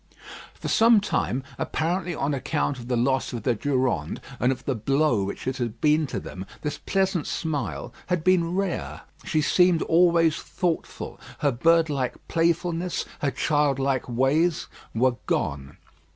For some time, apparently on account of the loss of the Durande, and of the blow which it had been to them, this pleasant smile had been rare. She seemed always thoughtful. Her birdlike playfulness, her childlike ways, were gone.